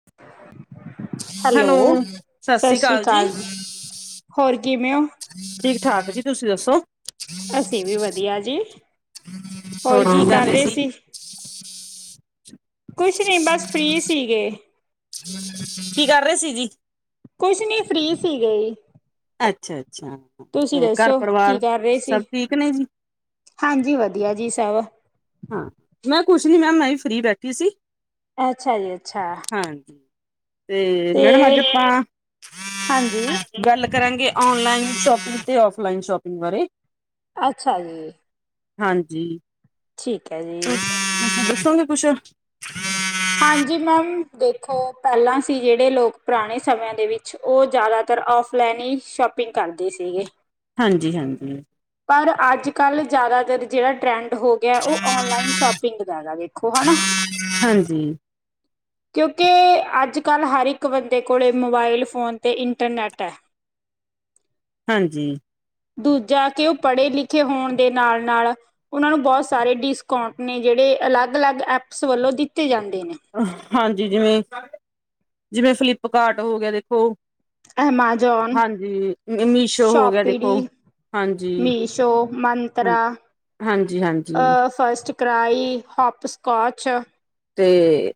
[unintelligible] Hello, ਸਤਿ ਸ੍ਰੀ ਅਕਾਲ ਜੀ, ਹੋਰ ਕਿਵੇਂ ਹੋ? ਠੀਕ ਠਾਕ ਜੀ, ਤੁਸੀਂ ਦੱਸੋ? ਅਸੀਂ ਵੀ ਵਧੀਆ ਜੀ, ਹੋਰ ਕੀ ਕਰ ਰਹੇ ਸੀ। ਕੁਛ ਨਹੀਂ, ਬਸ ਫ੍ਰੀ ਸੀਗੇ। ਕੀ ਕਰ ਰਹੇ ਸੀ ਜੀ। ਕੁਛ ਨੀ, ਫ੍ਰੀ ਸੀ ਗੇ ਅੱਛਾ, ਅੱਛਾ, ਹੋਰ ਘਰ ਦੱਸੋ ਕੀ ਪਰਿਵਾਰ, ਕਰ ਰਹੇ ਸੀ? ਸਭ ਠੀਕ ਨੇ ਜੀ। ਹਾਂਜੀ, ਵਧੀਆ ਜੀ ਸਭ ਹਾਂ, ਮੈਂ ਕੁਛ ਨੀ, ਮੈਂਮ ਮੈਂ ਵੀ ਫਰੀ ਬੈਠੀ ਸੀ। ਅੱਛਾ ਜੀ ਅੱਛਾ। ਹਾਂ ਤੇ ਮੈਡਮ ਅੱਜ ਆਪਾਂ ਹਾਂਜੀ ਗੱਲ ਕਰਾਂਗੇ ਔਨਲਾਈਨ ਸ਼ੋਪਿੰਗ ਤੇ ਆਫਲਾਈਨ ਸ਼ੋਪਿੰਗ ਬਾਰੇ ਅੱਛਾ ਜੀ ਹਾਂਜੀ ਠੀਕ ਹੈ ਜੀ ਅੱਛਾ [unintelligible] ਦੱਸੋਗੇ ਕੁੱਛ? ਹਾਂਜੀ ਮੈਮ ਦੇਖੋ ਪਹਿਲਾਂ ਸੀ ਜਿਹੜੇ ਲੋਕ ਪੁਰਾਣੇ ਸਮਿਆਂ ਦੇ ਵਿੱਚ ਉਹ ਜ਼ਿਆਦਾਤਰ ਔਫਲਾਈਨ ਹੀ ਸ਼ੋਪਿੰਗ ਕਰਦੇ ਸੀਗੇ ਹਾਂਜੀ ਹਾਂਜੀ ਪਰ ਅੱਜ ਕੱਲ੍ਹ ਜ਼ਿਆਦਾਤਰ ਜਿਹੜਾ ਟਰੈਂਡ ਹੋ ਗਿਆ ਉਹ ਔਨਲਾਈਨ ਸ਼ੌਪਿੰ ਪਿੰਗ ਕੈਂਦਾ [unintelligible] ਵੇਖੋ ਹਨਾ ਹਾਂਜੀ ਕਿਉਂਕਿ ਅੱਜ ਕੱਲ੍ਹ ਹਰ ਇੱਕ ਬੰਦੇ ਕੋਲ ਮੋਬਾਇਲ ਫੋਨ ਅਤੇ ਇੰਟਰਨੈੱਟ ਐ ਹਾਂਜੀ ਦੂਜਾ ਕਿ ਉਹ ਪੜੇ ਲਿਖੇ ਹੋਣ ਦੇ ਨਾਲ ਨਾਲ ਉਹਨਾਂ ਨੂੰ ਬਹੁਤ ਸਾਰੇ ਡਿਸਕਾਊਂਟ ਨੇ ਜਿਹੜੇ ਅਲੱਗ- ਅਲੱਗ ਐਪਸ ਵੱਲੋਂ ਦਿੱਤੇ ਜਾਂਦੇ ਨੇ ਹਾਂਜੀ ਜਿਵੇਂ ਜਿਵੇਂ ਫਲਿੱਪਕਾਰਟ ਹੋ ਗਿਆ ਦੇਖੋ ਐਮਾਜ਼ੋਨ, ਹਾਂਜੀ ਮੀਸ਼ੋ ਹੋ ਗਿਆ ਸ਼ੋਪੀਡੀ ਦੇਖੋ ਹਾਂਜੀ ਮੀਸ਼ੋ, ਹਾਂ ਮੰਤਰਾ ਹਾਂਜੀ-ਹਾਂਜੀ ਅ ਫਸਟ ਕਰਾਈ, ਹੋਪਸਕੋਚ ਤੇ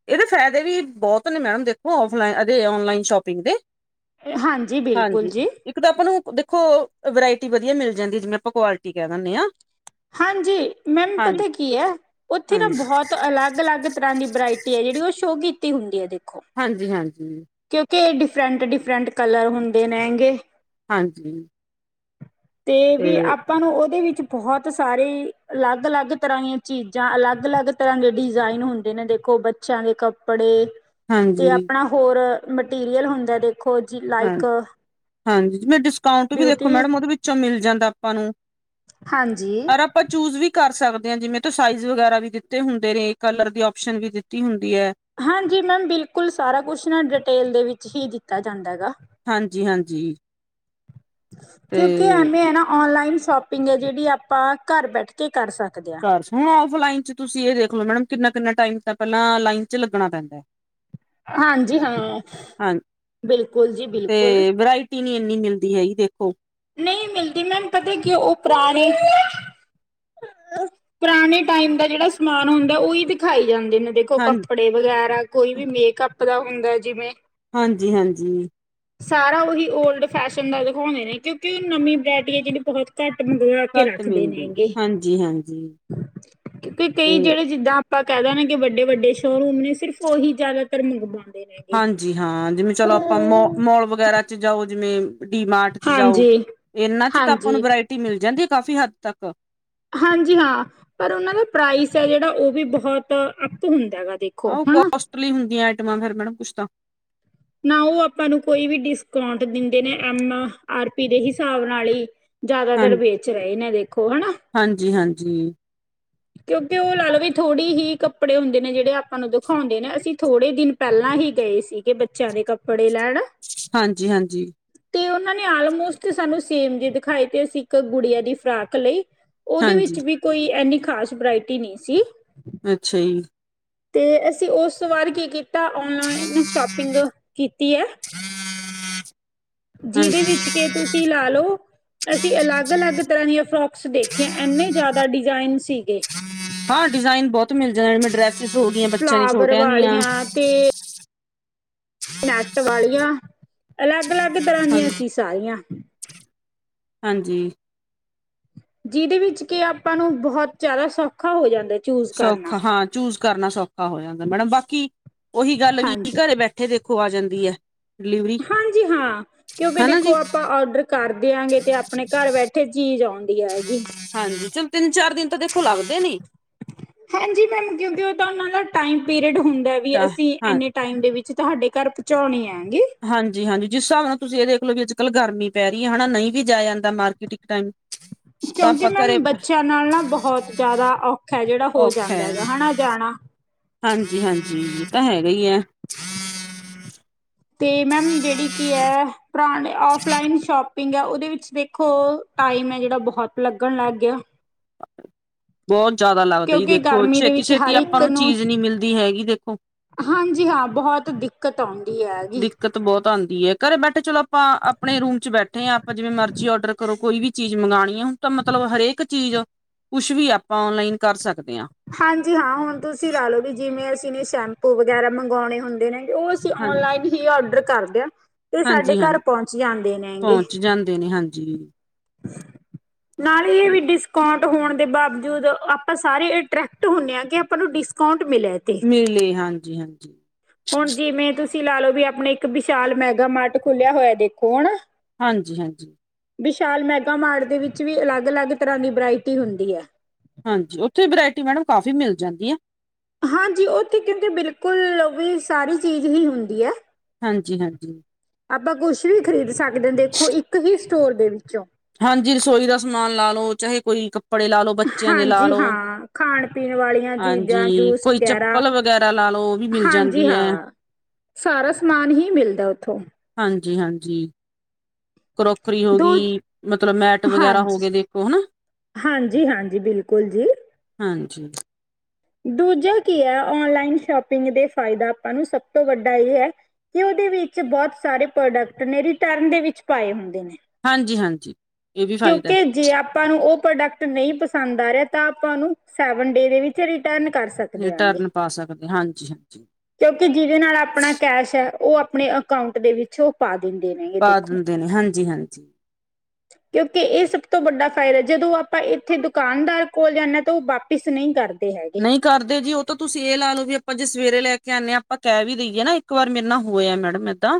ਇਹਦੇ ਫਾਇਦੇ ਵੀ ਬਹੁਤ ਨੇ ਮੈਮ ਦੇਖੋ ਓਫਲਾਈਨ ਐਦੇ ਓਨਲਾਈਨ ਸ਼ੋਪਿੰਗ ਦੇ ਹਾਂਜੀ ਬਿਲਕੁਲ ਹਾਂਜੀ ਜੀ ਇੱਕ ਤਾਂ ਆਪਾਂ ਨੂੰ ਦੇਖੋ ਵਰਾਇਟੀ ਵਧੀਆ ਮਿਲ ਜਾਂਦੀ ਜਿਵੇਂ ਆਪਾਂ ਕੁਆਲਿਟੀ ਕਹਿ ਦਿੰਨੇ ਆ ਹਾਂਜੀ ਮੈਮ ਪਤਾ ਕੀ ਹੈ ਉੱਥੇ ਤਾਂ ਹਾਂਜੀ, ਬਹੁਤ ਅਲੱਗ ਅਲੱਗ ਤਰ੍ਹਾਂ ਦੀ ਵਰਾਇਟੀ ਹੈ ਜਿਹੜੀ ਉਹ ਸ਼ੋਅ ਕੀਤੀ ਹੁੰਦੀ ਹੈ ਦੇਖੋ ਹਾਂਜੀ ਹਾਂਜੀ ਕਿਉਂਕਿ ਇਹ ਡਿਫਰੈਂਟ ਡਿਫਰੈਂਟ ਕਲਰ ਹੁੰਦੇ ਨੇ ਗੇ ਹਾਂਜੀ ਤੇ ਵੀ ਆਪ ਆਪਾਂ ਨੂੰ ਉਹਦੇ ਵਿੱਚ ਬਹੁਤ ਸਾਰੇ ਅਲੱਗ ਅਲੱਗ ਤਰ੍ਹਾਂ ਦੀਆਂ ਚੀਜ਼ਾਂ ਅਲੱਗ ਅਲੱਗ ਤਰ੍ਹਾਂ ਦੇ ਡਿਜ਼ਾਇਨ ਹੁੰਦੇ ਨੇ ਦੇਖੋ ਬੱਚਿਆਂ ਦੇ ਕੱਪੜੇ ਤੇ ਹਾਂਜੀ। ਆਪਣਾ ਹੋਰ ਮਟੀਰੀਅਲ ਹੁੰਦਾ ਦੇਖੋ ਜੀ ਲਾਈਕ ਹਾਂ ਜਿਵੇਂ ਡਿਸਕਾਊਂਟ ਵੀ ਦੇਖੋ ਬਿਊਟੀ ਮੈਡਮ ਉਹਦੇ ਵਿੱਚੋਂ ਮਿਲ ਜਾਂਦਾ ਆਪਾਂ ਨੂੰ ਹਾਂਜੀ ਪਾਂ ਚੂਜ ਵੀ ਕਰ ਸਕਦੇ ਹਾਂ ਜਿਵੇਂ ਤੋਂ ਸਾਈਜ਼ ਵਗੈਰਾ ਵੀ ਦਿੱਤੇ ਹੁੰਦੇ ਨੇ ਕਲਰ ਦੀ ਓਸ਼ਨ ਵੀ ਦਿੱਤੀ ਹੁੰਦੀ ਹੈ ਹਾਂਜੀ ਮੈਮ ਬਿਲਕੁਲ ਸਾਰਾ ਕੁਛ ਨਾ ਡਿਟੇਲ ਦੇ ਵਿੱਚ ਹੀ ਦਿੱਤਾ ਜਾਂਦਾ ਗਾ ਹਾਂਜੀ ਹਾਂਜੀ ਕਿਉਂਕਿ ਐਮੇ ਆ ਨਾ ਓਨਲਾਈਨ ਸ਼ਾਪ ਪਿੰਗ ਆ ਜਿਹੜੀ ਆਪਾਂ ਘਰ ਬੈਠ ਕੇ ਕਰ ਸਕਦੇ ਹਾਂ ਹੁਣ [unintelligible] ਔਫਲਾਈਨ ਚ ਤੁਸੀਂ ਇਹ ਦੇਖ ਲੋ ਮੈਡਮ ਕਿੰਨਾ ਕਿੰਨਾ ਟਾਈਮ ਤਾਂ ਪਹਿਲਾਂ ਲਾਈਨ ਚ ਲੱਗਣਾ ਪੈਂਦਾ ਹੈ ਹਾਂਜੀ ਹਾਂ ਹਾਂ ਬਿਲਕੁਲ ਜੀ ਬਿਲਕੁਲ ਟੀ ਨੀ ਇੰਨੀ ਮਿਲਦੀ ਹੈਗੀ ਦੇਖੋ ਨਹੀਂ ਮਿਲਦੀ ਮੈਮ ਪਤਾ ਕੀ ਉਹ ਪੁਰਾਣੇ ਪੁਰਾਣੇ ਟਾਈਮ ਦਾ ਜਿਹੜਾ ਸਮਾਨ ਹੁੰਦਾ ਉਹੀ ਦਿਖਾਈ ਜਾਂਦੇ ਨੇ ਦੇ ਕੋ ਹਾਂ ਕੱਪੜੇ ਵਗੈਰਾ ਕੋਈ ਵੀ ਮੇਕਅੱਪ ਦਾ ਹੁੰਦਾ ਜਿਵੇਂ ਹਾਂਜੀ ਹਾਂਜੀ ਸਾਰਾ ਉਹੀ ਓਲਡ ਫੈਸ਼ਨ ਦਾ ਦਿਖਾਉਂਦੇ ਨੇ ਕਿਉਂਕਿ ਉਹ ਨਵੀਂ ਵਰਾਇਟੀ ਹੈ ਜਿਹੜੀ ਬਹੁਤ ਘੱਟ ਮੰਗਵਾ ਕੇ ਘੱਟ ਰੱਖਦੇ ਨੇ ਮਿਲਦੀ ਹੈਗੇ ਹਾਂਜੀ ਹਾਂਜੀ ਕਿ ਤੇ ਕਈ ਜਿਹੜੇ ਜਿੱਦਾਂ ਆਪਾਂ ਕਹਿਦੇ ਆ ਕਿ ਵੱਡੇ ਵੱਡੇ ਸ਼ੋਅਰੂਮ ਨੇ ਸਿਰਫ਼ ਉਹੀ ਜ਼ਿਆਦਾਤਰ ਮੰਗਵਾ ਹਾਂਜੀ ਹਾਂ ਜਿਵੇਂ ਚਲੋ ਆਪਾਂ ਮੋ ਮੋਲ ਵਗੈਰਾ ਚ ਜਾਓ ਜਿਵੇਂ ਡੀਮਾਰਟ ਚ ਜਾਓ ਹਾਂਜੀ, ਇਹਨਾਂ ਚ ਤਾਂ ਆਪਾਂ ਨੂੰ ਹਾਂਜੀ, ਵਰਾਇਟੀ ਮਿਲ ਜਾਂਦੀ ਹੈ ਕਾਫ਼ੀ ਹੱਦ ਤੱਕ। ਹਾਂਜੀ ਹਾਂ ਪਰ ਉਹਨਾਂ ਦਾ ਪ੍ਰਾਈਸ ਹੈ ਜਿਹੜਾ ਉਹ ਵੀ ਬਹੁਤ ਅੱਪ ਹੁੰਦਾ ਹੈਗਾ ਦੇਖ। ਆਹ ਉਹ ਕੋਸਟਲੀ ਹੁੰਦੀਆਂ ਆਈਟਮਾਂ ਫਿਰ ਮੈਡਮ ਕੁਛ ਤਾਂ। ਨਾ ਉਹ ਆਪਾਂ ਨੂੰ ਕੋਈ ਵੀ ਡਿਸਕਾਂਟ ਦਿੰਦੇ ਨੇ ਐਮ ਆਰ ਪੀ ਦੇ ਹਿਸਾਬ ਨਾਲ ਹੀ। ਹਾਂ ਜ਼ਿਆਦਾਤਰ ਵੇਚ ਰਹੇ ਨੇ ਦੇਖੋ ਹਨਾ। ਹਾਂਜੀ- ਹਾਂਜੀ। ਕਿਉਂਕਿ ਉਹ ਲਾਓ ਵੀ ਥੋੜੀ ਹੀ ਕੱਪੜੇ ਹੁੰਦੇ ਨੇ ਜਿਹੜੇ ਆਪਾਂ ਨੂੰ ਦਿਖਾਉਂਦੇ ਨੇ ਅਸੀਂ ਥੋੜੇ ਦਿਨ। ਪਹਿਲਾਂ ਹੀ ਗਏ ਸੀਗੇ ਬੱਚਿਆਂ ਦੇ ਕੱਪੜੇ ਲੈਣ। ਹਾਂਜੀ- ਹਾਂਜੀ। ਤੇ ਉਹਨਾਂ ਨੇ ਆਲਮੋਸਟ ਸਾਨੂੰ ਸੇਮ ਜੇ ਦਿਖਾਏ ਤੇ ਅਸੀਂ ਇੱਕ ਗੁੜੀਆਂ ਦੀ ਫਰਾਕ ਲਈ। ਉਹਦੇ ਹਾਂਜੀ ਵਿੱਚ ਵੀ ਕੋਈ ਐੰਨੀ ਖਾਸ ਵਰਾਇਟੀ ਨਹੀਂ ਸੀ। ਅੱਛਾ ਜੀ ਤੇ ਅਸੀਂ ਓਸ ਵਾਰ ਕੀ ਕੀਤਾ ਔਨਾਈਨ ਸ਼ੋਪਿੰਗ ਕੀਤੀ ਏ ਹਾਂ ਜਿਦੇ ਵਿੱਚ ਕੇ ਤੁਸੀਂ ਲਾ ਲੋ ਅਸੀਂ ਅਲੱਗ, ਅਲੱਗ ਤਰ੍ਹਾਂ ਦੀਆਂ ਫਰੋਕਸ ਦੇਖੀਆਂ ਐਂਨੇ ਜ਼ਿਆਦਾ ਡਿਜ਼ਾਇਨ ਸੀਗੇ। ਹਾਂ ਡਿਜ਼ਾਇਨ ਬੋਤ ਮਿਲ ਜਾਣ ਮ ਡਰੈਸਿਸ ਹੋ ਗਈਆਂ ਬੱਚਿਆਂ ਦੀ ਫਲਾਵਰ ਛੋਟਿਆਂ ਦੀਆਂ ਵਾਲੀਆਂ ਤੇ ਨੈਟ ਵਾਲੀਆਂ ਅਲੱਗ, ਅਲੱਗ ਤਰ੍ਹਾਂ ਹਾਂ ਦੀਆਂ ਸੀ ਸਾਰੀਆਂ ਹਾਂਜੀ ਜਿਦੇ ਵਿੱਚ ਕਿ ਆਪਾਂ ਨੂੰ ਬਹੋਤ ਜ਼ਆਦਾ ਸੌਖ ਖਾ ਹੋ ਜਾਂਦਾ ਏ ਚੂਬ ਸੌਖਾ ਹਾਂ ਚੂਜ ਕਰਨਾ ਸੌਖਾ ਹੋ ਜਾਂਦਾ ਮੈਡਮ ਬਾਕੀ ਉਹੀ ਗੱਲ ਵੀ ਹਾਂਜੀ ਘਰੇ ਬੈਠੇ ਥੇ ਦੇਖੋ ਆ ਜਾਂਦੀ ਏ ਹਾਂਜੀ ਹਾਂ ਕਿਉਂਕਿ ਹਨਾ ਜੀ ਦੇਖੋ ਆਪਾਂ ਔਡਰ ਕਰਦੇਆਂਗੇ ਤੇ ਆਪਣੇ ਘਰ ਬੈਠੇ ਚੀਜ਼ ਆਉਂਦੀ ਹੈਗੀ ਹਾਂਜੀ ਚਲੋ ਤਿੰਨ ਚਾਰ ਦਿਨ ਤਾਂ ਦੇਖੋ ਲੱਗਦੇ ਨੀ ਹਾਂਜੀ ਮੈਮ ਕਿਉਂਕਿ ਉਹ ਤਾਂ ਉਹਨਾਂ ਦਾ ਟਾਈਮ ਪੀਰੀਅਡ ਹੁੰਦਾ ਵੀ ਤਾਂ ਅਸੀਂ ਹਾਂ ਏੰਨੇ ਟਾਈਮ ਦੇ ਵਿੱਚ ਤੁਹਾਡੇ ਘਰ ਪਹੁੰਚਾਉਣੀ ਹੇਂਗੀ ਹਾਂਜੀ, ਹਾਂਜੀ ਜਿਸ ਹਿਸਾਬ ਨਾਲ ਤੁਸੀਂ ਏ ਦੇਖ ਲਓ ਵੀ ਅੱਜ ਕੱਲ੍ਹ ਗਰਮੀ ਪੈ ਰਈ ਹੈਨਾ ਨਈ ਵੀ ਜਾਯਾ ਜਾਂਦਾ ਮਾਰਕੀਟ ਟਾਈਮ ਤਾਂ ਕਿਉਂਕਿ ਆਪਾਂ ਮੈਮ ਘਰੇ ਬੱਚਿਆਂ ਨਾਲ ਨਾ ਬਹੁਤ ਜ਼ਿਆਦਾ ਔਖਾ ਹੈ ਜਿਹੜਾ ਹੋ ਔਖਾ ਜਾਂਦਾ ਹੈ ਹੈਗਾ ਹੈੜਾ ਜਾਣਾ ਹਾਂਜੀ, ਹਾਂਜੀ ਤਾਂ ਹੈਗਾ ਈਏ ਤੇ ਮੈਮ ਜੇੜੀ ਕੀ ਏ ਪੁਰਾਣੇ ਔਫਲਾਈਨ ਸ਼ੋਪਿੰਗ ਏ ਉਦੇ ਵਿੱਚ ਵੇਖੋ ਟਾਈਮ ਏ ਜੇੜਾ ਬਹੁਤ ਲੱਗਣ ਲੱਗ ਗਿਆ ਹਾਂ [unintelligible] ਬੋਤ ਜ਼ਾਦਾ ਲੱਗਦਾ ਈ ਕਿਉਂਕਿ ਦੇਖੋ ਗਰਮੀ ਦੇ ਛੇਤੀ ਵਿੱਚ ਛੇਤੀ ਹਰ ਆਪਾਂ ਇੱਕ ਨੂੰ ਚੀਜ਼ ਨੀ ਮਿਲਦੀ ਹੈਗੀ ਦੇਖੋ ਹਾਂਜੀ ਹਾਂ ਬਹੋਤ ਦਿੱਕਤ ਆਉਂਦੀ ਐ। ਦਿੱਕਤ ਬੋਤ ਆਂਦੀ ਐ ਘਰੇ ਬੈਠੇ ਚਲੋ ਆਪਾਂ ਅਪਨੇ ਰੂਮ ਚ ਬੈਠੇ ਆ ਆਪਾਂ ਜਿਵੇਂ ਮਰਜੀ ਆਰਡਰ ਕਰੋ ਕੋਈ ਵੀ ਚੀਜ਼ ਮੰਗਾਣੀ ਆ ਹੁਨ ਤਾਂ ਮਤਲਬ ਹਰੇਕ ਚੀਜ਼ ਕੁਛ ਵੀ ਆਪਾਂ ਔਨਲਾਈਨ ਕਰ ਸਕਦੇ ਆ। ਹਾਂਜੀ ਹਾਂ ਹੁਣ ਤੁਸੀਂ ਲਾ ਲੋ ਵੀ ਜਿਵੇਂ ਅਸੀਂ ਨੇ ਸ਼ੈਂਪੂ ਵਗੈਰਾ ਮੰਗਾਉਣੇ ਹੁੰਦੇ ਨੇ ਓਸ ਜੀ ਹਾਂ ਓਨਲਾਈਨ ਹੀ ਔਡਰ ਕਰਦੇ ਆ ਤੇ ਸਾਡੇ ਹਾਂਜੀ ਘਰ ਹਾਂਜੀ ਪਹੁੰਚ ਜਾਂਦੇ ਨੇ ਹੈਗੇ ਪਹੁੰਚ ਜਾਂਦੇ ਨੇ ਹਾਂਜੀ ਨਾਲ ਹੀ ਇਹ ਵੀ ਡਿਸਕਾਟ ਹੋਣ ਦੇ ਬਾਵਜੂਦ ਆਪਾਂ ਸਾਰੇ ਅਟਰੈਕਟ ਹੁੰਨੇ ਆ ਕਿ ਆਪਾਂ ਨੂੰ ਡਿਸਕਾਊਂਟ ਮਿਲੇ ਤੇ ਤੇ ਲੇ ਹਾਂਜੀ, ਹਾਂਜੀ ਹੁਣ ਜਿਮੇ ਤੁਸੀਂ ਲਾ ਲੋ ਵੀ ਆਪਣੇ ਇੱਕ ਵਿਸ਼ਾਲ ਮੈਗਾ ਮਾਰਟ ਖੁਲਿਆ ਹੋਇਆ ਦੇਖੋ ਹਨਾ ਹਾਂਜੀ, ਹਾਂਜੀ ਵਿਸ਼ਾਲ ਮੈਗਾ ਮਾਰਟ ਦੇ ਵਿੱਚ ਵੀ ਅਲੱਗ ਅਲੱਗ ਤਰ੍ਹਾਂ ਦੀ ਬਿਰਾਇਟੀ ਹੁੰਦੀ ਏ। ਹਾਂਜੀ ਉੱਥੇ ਵੇਰਾਇਟੀ ਮੈਡਮ ਕਾਫ਼ੀ ਮਿਲ ਜਾਂਦੀ ਏ ਹਾਂਜੀ ਉਥੇ ਕਿਉਂਕਿ ਬਿਲਕੁਲ ਵੀ ਸਾਰੀ ਚੀਜ਼ ਹੀ ਹੁੰਦੀ ਐ ਹਾਂਜੀ, ਹਾਂਜੀ ਆਪਾਂ ਕੁਛ ਵੀ ਖਰੀਦ ਸਕਦੇ ਦੇਖੋ ਇੱਕ ਹੀ ਸਟੋਰ ਦੇ ਵਿੱਚੋਂ ਹਾਂਜੀ ਰਸੋਈ ਦਾ ਸਮਾਨ ਲਾ ਲੋ ਚਾਹੇ ਕੋਈ ਕੱਪੜੇ ਲਾ ਲੋ, ਬੱਚਿਆਂ ਦੇ ਲਾ ਹਾਂਜੀ ਲੋ, ਹਾਂ ਖਾਣ ਪੀਣ ਵਾਲੀਆਂ ਚੀਜ਼ਾਂ ਹਾਂਜੀ ਜੂਸ ਕੋਈ ਵਗੈਰਾ ਚੱਪਲ ਵ ਗੈਰਾ ਲਾ ਲੋ ਉਹ ਵੀ ਮਿਲ ਹਾਂਜੀ ਜਾਂਦੀਏ ਹਾਂ ਸਾਰਾ ਸਮਾਨ ਹੀ ਮਿਲਦਾ ਉੱਥੋਂ ਹਾਂਜੀ, ਹਾਂਜੀ ਕਰੋਕਰੀ ਹੋ ਦੋ ਗੀ ਮਤਲਬ ਮੈਟ ਵਗੈਰਾ ਹਾਂਜੀ ਹੋਗੇ ਦੇਖੋ ਹਨਾ ਹਾਂਜੀ, ਹਾਂਜੀ ਬਿਲਕੁਲ ਜੀ। ਹਾਂਜੀ। ਦੂਜਾ ਕੀ ਹੈ ਔਨਲਾਈਨ ਸ਼ੋਪਿੰਗ ਦੇ ਫਾਇਦਾ ਆਪਾਂ ਨੂੰ ਸਭ ਤੋਂ ਵੱਡਾ ਇਹ ਹੈ। ਕਿ ਉਹਦੇ ਵਿੱਚ ਬਹੁਤ ਸਾਰੇ ਪ੍ਰੋਡਕਟ ਨੇ ਰਿਟਰਨ ਦੇ ਵਿੱਚ ਪਾਏ ਹੁੰਦੇ ਨੇ। ਹਾਂਜੀ-ਹਾਂਜੀ, ਇਹ ਵੀ ਫਾਇਦਾ। ਕਿਉਂਕਿ ਜੇ ਆਪਾਂ ਨੂੰ ਉਹ ਪ੍ਰੋਡਕਟ ਨਹੀਂ ਪਸੰਦ ਆ ਰਿਹਾ ਤਾਂ ਆਪਾਂ ਉਹਨੂੰ ਸੈਵਨ ਡੇ ਦੇ ਵਿੱਚ ਰਿਟਰਨ ਕਰ ਸਕਦੇ। ਸਕਦੇ ਆਗੇ, ਰਿਟਰਨ ਪਾ ਸਕਦੇ ਹਾਂਜੀ ਹਾਂਜੀ ਕਿਉਂਕਿ ਜਿਹਦੇ ਨਾਲ ਆਪਣਾ ਕੈਸ਼ ਹੈ ਉਹ ਆਪਣੇ। ਅਕਾਊਂਟ ਦੇ ਵਿੱਚੋਂ ਪਾ ਦਿੰਦੇ ਨੇ। ਪਾ ਦਿੰਦੇ ਨੇ ਹਾਂਜੀ-ਹਾਂਜੀ। ਕਿਉਂਕਿ ਇਹ ਸਭ ਤੋਂ ਵੱਡਾ ਫਾਇਦਾ ਜਦੋਂ ਆਪਾਂ ਇੱਥੇ ਦੁਕਾਨਦਾਰ ਕੋਲ ਜਾਂਦੇ ਤਾਂ ਉਹ ਵਾਪਿਸ ਨਹੀਂ ਕਰ ਦੇ ਹੈਗੇ। ਨਹੀਂ ਕਰਦੇ ਜੀ ਉਹ ਤਾਂ ਤੁਸੀਂ ਇਹ ਲਾ ਲਓ ਵੀ ਆਪਾਂ ਜੇ ਸਵੇਰੇ ਲੈ ਕੇ ਆਉਨੇ ਹਾਂ ਆਪਾਂ ਕਹਿ ਵੀ ਦੇਈਏ ਨਾ ਇੱਕ ਵਾਰ ਮੇਰੇ ਨਾਲ ਹੋਇਆ। ਮੈਡਮ ਇਦਾ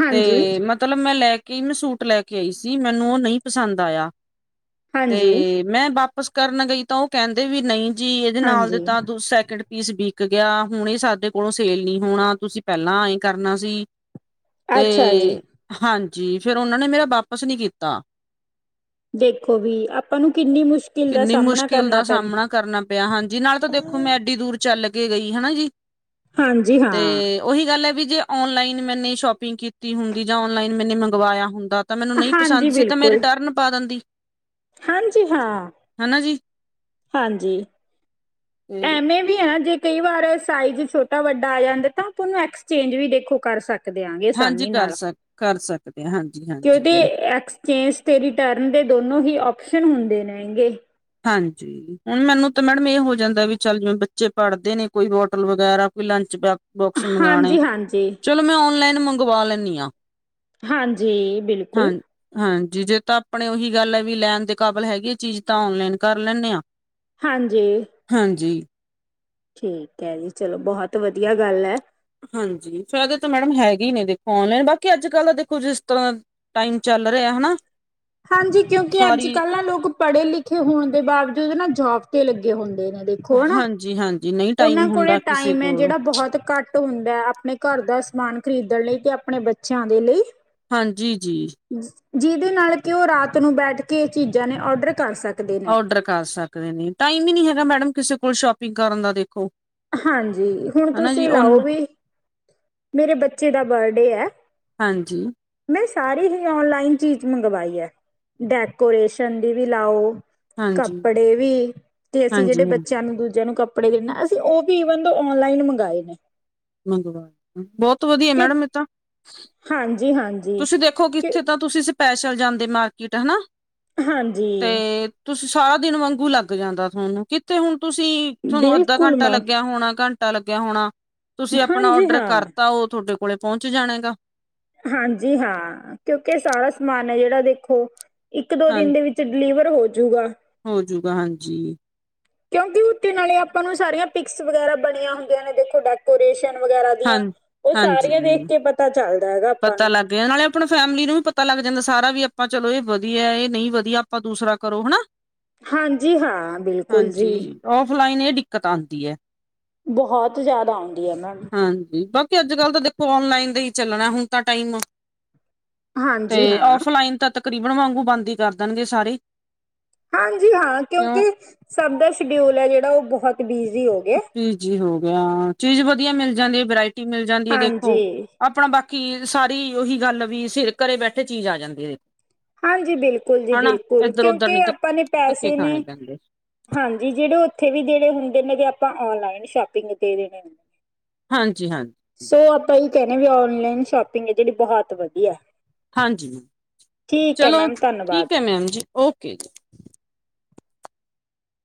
ਹਾਂਜੀ ਤੇ ਮਤ ਮਤਲਬ ਮੈਂ ਲੈ ਕੇ ਮੈਂ ਸੂਟ ਲੈ ਕੇ ਆਈ ਸੀ ਮੈਨੂੰ ਉਹ ਨਹੀਂ ਪਸੰਦ ਆਇਆ ਤੇ। ਹਾਂਜੀ ਮੈਂ ਵਾਪਿਸ ਕਰਨ ਗਈ ਤਾਂ ਉਹ ਕਹਿੰਦੇ ਵੀ ਨਹੀਂ ਜੀ ਇਹਦੇ ਨਾਲ ਦੇ ਹਾਂਜੀ ਤਾਂ ਦ ਸੈਕਿੰਡ ਪੀਸ ਬਿਕ ਗਿਆ ਹੁਣੇ ਸਾਡੇ ਕੋਲੋਂ ਸੇਲ ਨੀ ਹੋਣਾ ਤੁਸੀਂ ਪਹਿਲਾਂ ਐਏ ਕਰਨਾ ਸੀ। ਤੇ ਅੱਛਾ ਜੀ ਹਾਂਜੀ ਫੇਰ ਉਹਨਾਂ ਨੇ ਮੇਰਾ ਵਾਪਿਸ ਨੀ ਕੀਤਾ। ਦੇਖੋ ਵੀ ਆਪਾਂ ਨੂੰ ਕਿੰਨੀ ਮੁਸ਼ਕਿਲ ਦਾ ਕਿੰਨੀ ਸਾਹਮਣਾ ਮੁਸ਼ਕਿਲ ਕਰਨਾ ਦਾ ਸਾਹਮਣਾ ਪੈਂਦਾ। ਕਰਨਾ ਹਾਂਜੀ ਨਾਲੇ ਤਾਂ ਦੇਖੋ ਮੈਂ ਐਡੀ ਦੂਰ ਚੱਲ ਕੇ ਗਈ ਹਨਾ ਜੀ ਹਾਂਜੀ ਤੇ ਹਾਂ ਉਹੀ ਗੱਲ ਹੈ ਵੀ ਜੇ ਔਨਲਾਈਨ ਮੈਨੇ ਸ਼ੋਪਿੰਗ ਕੀਤੀ ਹੁੰਦੀ ਜਾਂ ਔਨਲਾਈਨ ਮੈਨੇ ਮੰਗਵਾਇਆ ਹੁੰਦਾ। ਤਾਂ ਮੈਨੂੰ ਨਹੀਂ ਪਸੰਦ ਹਾਂਜੀ ਸੀ ਤਾਂ ਮੈਂ ਬਿਲਕੁਲ ਰਿਟਰਨ ਪਾ ਦਿੰਦੀ। ਹਾਂਜੀ ਹਾਂ, ਹਨਾ ਜੀ ਹਾਂਜੀ ਤੇ ਐਵੇਂ। ਵੀ ਆ ਜੇ ਕਈ ਵਾਰ ਸਾਈਜ਼ ਛੋਟਾ ਵੱਡਾ ਆ ਜਾਂਦਾ ਤਾਂ ਆਪਾਂ ਉਹਨੂੰ ਐਕਸਚੇਂਜ ਵੀ ਦੇਖੋ ਕਰ ਸਕਦੇ ਆ। ਦਿਆਗੇ ਹਾਂਜੀ ਆਸਾਨੀ ਕਰ ਨਾਲ ਸਕ ਕਰ ਸਕਦੇ ਹਾਂ ਹਾਂਜੀ ਕਿਉਂਕਿ ਹਾਂਜੀ। ਚੇਂਜ ਤੇ ਰਿਟਰਨ ਦੇ ਦੋਨੋ ਹੀ ਆਪਸ਼ਨ ਹੁੰਦੇ ਨੇਗੇ। ਹਾਂਜੀ। ਹੁਣ ਮੈਨੂੰ ਤਾਂ ਮੈਡਮ ਇਹ ਹੋ ਜਾਂਦਾ ਵੀ ਚੱਲ ਜਿਵੇਂ ਬੱਚੇ ਪੜ੍ਹਦੇ ਨੇ ਕੋਈ ਬੋਟਲ ਵਗੈਰਾ ਕੋਈ ਲੰਚ ਬੈਗ। ਬੁਕਸ ਮੰਗਵਾਉਣੇ ਹਾਂਜੀ ਹਾਂਜੀ ਚਲੋ ਮੈਂ ਓਨਲਾਈਨ ਮੰਗਵਾ ਲੈਂਦੀ ਹਾਂ। ਹਾਂਜੀ ਹਾਂ ਬਿਲਕੁਲ। ਹਾਂਜੀ ਜੇ ਤਾਂ ਆਪਣੇ ਉਹੀ ਗੱਲ ਹੈ ਵੀ ਲੈਣ ਦੇ ਕਾਬਲ ਹੈਗੀ ਹੈ ਚੀਜ਼ ਤਾਂ ਔਨਲਾਈਨ ਕਰ ਲੈਂਣੇ ਆਂ। ਹਾਂਜੀ। ਹਾਂਜੀ। ਠੀਕ ਹੈ ਜੀ, ਚਲੋ ਬਹੁਤ ਵਧੀਆ ਗੱਲ ਹੈ। ਹਾਂਜੀ ਫਾਇਦੇ ਤਾਂ ਮੈਡਮ ਹੈਗੀ ਹੀ ਨੇ ਦੇਖੋ ਔਨਲਾਈਨ ਬਾਕੀ ਅੱਜ ਕੱਲ੍ਹ ਦਾ ਦੇਖੋ ਜਿਸ ਤਰ੍ਹਾਂ। ਟਾਈਮ ਚੱਲ ਰਿਹਾ ਹਨਾ? ਹਾਂਜੀ ਕਿਉਂਕਿ ਸਾਰੀ ਅੱਜ-ਕੱਲ੍ਹ ਨਾ ਲੋਕ ਪੜ੍ਹੇ ਲਿਖੇ ਹੋਣ ਦੇ ਬਾਵਜੂਦ ਨਾ ਜੋਬ ਤੇ ਲੱਗੇ ਹੁੰਦੇ ਨੇ। ਦੇਖੋ ਹਨਾ ਹਾਂਜੀ ਹਾਂ ਉਹਨਾਂ ਕੋਲੇ ਟਾਈਮ ਹੈ ਜਿਹੜਾ ਬਹੁਤ ਘੱਟ। ਟ ਹੁੰਦਾ ਆਪਣੇ ਘਰ ਦਾ ਸਮਾਨ ਖਰੀਦਣ ਲਈ ਤੇ ਆਪਣੇ ਬੱਚਿਆਂ ਦੇ ਲਈ। ਹਾਂਜੀ ਜੀ। ਜਿਹਦੇ ਨਾਲ ਕਿ, ਉਹ ਰਾਤ ਨੂੰ ਬੈਠਕੇ ਚੀਜ਼ਾਂ ਨੇ ਔਡਰ ਕਰ ਸਕਦੇ। ਨੇ ਡਰ ਕਰ ਸਕਦੇ ਨੇ, ਟਾਈਮ ਹੀ ਨੀ ਹੈਗਾ ਮੈਡਮ ਕਿਸੇ ਕੋਲ ਸ਼ੋਪਿੰਗ ਕਰਨ ਦਾ, ਦੇਖੋ। ਹਾਂਜੀ! ਹੁਣ ਹਨਾ ਤੁਸੀਂ ਜੀ ਉਹ ਲਾਓ ਵੀ ਮੇਰੇ ਬੱਚੇ ਦਾ ਬਰਡੇ ਐ ਹਾਂਜੀ। ਮੈਂ ਸਾਰੀ ਹੀ ਔਨਲਾਈਨ ਚੀਜ਼ ਮੰਗਵਾਈ ਹੈ, ਡੈਕੋਰੇਸ਼ਨ ਦੀ ਵੀ ਲਾਓ ਹਾਂਜੀ ਕੱਪੜੇ ਵੀ, ਤੇ ਅਸੀਂ ਹਾਂਜੀ ਜਿਹੜੇ ਹਾਂ ਬੱਚਿਆਂ ਨੂੰ ਦੂਜਿਆਂ ਨੂੰ ਕੱਪੜੇ ਦੇਣ ਅ ਉਹ ਵੀ, ਈਵਨ ਦ ਔਨਲਾਈਨ ਮੰਗਾਏ ਨੇ। ਮੰਗਵਾਏ ਨਾ, ਬਹੁਤ ਵਧੀਆ ਕਿ ਮੈਡਮ ਇਹ ਤਾਂ। ਹਾਂਜੀ, ਹਾਂ ਤੁਸੀਂ ਦੇਖੋ, ਕਿੱਥੇ ਤਾਂ ਤੁਸੀਂ ਸਪੈਸ਼ਲ ਜਾਂਦੇ ਮਾਰਕੀਟ, ਹਨਾ। ਹਾਂਜੀ! ਤੇ ਤੁਸੀਂ ਸਾਰਾ ਦਿਨ ਵਾਂਗੂ ਲੱਗ ਜਾਂਦਾ ਥੋਨੂੰ, ਕਿੱਥੇ ਹੁਣ ਤੁਸੀਂ, ਤੁਹਾਨੂੰ ਬਿਲਕੁਲ ਅੱਧਾ-ਘੰਟਾ ਮੈਮ ਲੱਗਿਆ ਹੋਣਾ, ਘੰਟ ਟਾ ਲੱਗਿਆ ਹੋਣਾ, ਤੁਸੀਂ ਆਪਣਾ ਹਾਂਜੀ ਔਡਰ ਹਾਂ ਕਰਤਾ, ਉਹ ਥੋਡੇ ਕੋਲੇ ਪਹੁੰਚ ਜਾਣਾ ਹੇਗਾ। ਹਾਂਜੀ, ਹਾਂ, ਕਿਉਂਕਿ ਸਾਰਾ ਸਮਾਨ ਐ ਜਿਹੜਾ ਦੇਖੋ, ਇੱਕ-ਦੋ ਹਾਂ ਦਿਨ ਦੇ ਵਿੱਚ ਵਿੱਚ ਡਿਲੀਵਰ ਹੋਜੂਗਾ। ਹੋਜੂਗਾ, ਹਾਂਜੀ। ਕਿਉਂਕੀ ਉੱਤੇ ਨਾਲੇ ਆਪਾਂ ਨੂੰ ਸਾਰੀਆਂ ਪਿਕਸ ਵਗੈਰਾ ਬਣੀਆਂ ਹੁੰਦੀਆਂ ਨੇ ਦੇਖੋ ਡੈ ਡੈਕੋਰੇਸ਼ਨ ਵਗੈਰਾ ਹਾਂ ਦੀਆਂ, ਉਹ ਸਾਰੀਆਂ ਦੇਖਕੇ ਪਤਾ ਚੱਲਦਾ ਹੈਗਾ, ਆਪਾ ਨੂੰ। ਤੇ ਨਾਲੇ ਆਪਣੇ ਫੈਮਿਲੀ ਨੂੰ ਵੀ ਪਤਾ ਲੱਗ ਜਾਂਦਾ ਸਾਰਾ ਵੀ, ਆਪਾਂ ਚਲੋ ਇਹ ਵਧੀਆ, ਇਹ ਨਹੀਂ ਵਧੀਆ, ਆਪਾਂ ਦੂਸਰਾ ਕਰੋ ਹਣਾ। ਹਾਂਜੀ-ਹਾਂ, ਬਿਲਕੁਲ ਜੀ। ਔਫਲਾਈਨ ਇਹ ਡਿੱਕਤ ਆਂਦੀ ਏ। ਬਹੁਤ ਜ਼ਿਆਦਾ ਆਉਂਦੀ ਹੈ, ਮੈਮ। ਹਾਂਜੀ, ਬਾਕੀ ਅੱਜ-ਕੱਲ ਤਾਂ ਦੇਖੋ, ਔਨਲਾਈਨ ਦਾ ਹੀ ਚੱਲਣਾ ਹੁਣ ਤਾਂ ਟਾਈਮ। ਹਾਂਜੀ ਤੇ, ਹਾਂ ਔਫਲਾਈਨ ਤਾਂ ਤਕਰੀਬਨ ਵਾਂਗੂੰ ਬੰਦ ਹੀ ਕਰ ਦੇਣਗੇ, ਸਾਰੇ। ਹਾਂਜੀ, ਹਾਂ, ਕਿਉਂਕਿ ਕਿਉਂ ਸਭ ਦਾ ਸੀਡਿਊਲ ਹੈ ਜਿਹੜਾ ਉਹ ਬਹੁਤ ਬਿਜ਼ੀ ਹੋ ਗਿਆ। ਬੀਜੀ ਹੋ ਗਿਆ, ਚੀਜ਼ ਵਧੀਆ ਮਿਲ ਜਾਂਦੀ ਹੈ, ਵਰ੍ਹਾਇਟੀ ਮਿਲ ਜਾਂਦੀ ਹੈ, ਦੇਖੋ ਹਾਂਜੀ ਆਪਣਾ ਬਾਕੀ, ਸਾਰੀ ਉਹੀ ਗੱਲ ਵੀ, ਸਿਰ ਘਰੇ ਬੈਠੇ ਚੀਜ਼ ਆ ਜਾਂਦੀ ਏ, ਦੇ--ਫ ਹਾਂਜੀ, ਬਿਲਕੁਲ ਜੀ, ਬਿਲਕੁਲ, ਇੱਧਰ ਉਧਰ ਕਿਉਂਕਿ ਨੀ ਆਪਾਂ ਨੇ ਧੱਕੇ ਪੈਸੇ ਖਾਣੇ ਨੇ। ਪੈਂਦੇ ਹਾਂਜੀ, ਜਿਹੜੇ ਉੱਥੇ ਵੀ ਦੇਣੇ ਹੁੰਦੇ ਨੇ, ਤੇ ਆਪਾਂ ਔਨਲਾਈਨ ਸ਼ੋਪਿੰਗ ਦੇ ਦੇਣੇ। ਹਾਂਜੀ-ਹਾਂ। ਸੋ ਆਪਾ ਇਹ ਕਹਿਨੇ ਆ ਵੀ, ਔਨਲਾਈਨ ਸ਼ੋਪਿੰਗ ਇਹਦੇ ਲਈ ਬਹੁਤ ਵਧੀਆ। ਹਾਂਜੀ! ਠੀਕ ਹੈ ਚਲੋ, ਮੈਮ ਧੰਨਵਾਦ ਠੀਕ ਹੈ ਮੈਮ ਜੀ, ਓਕੇ-ਜੀ।